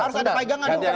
harus ada pegangan dulu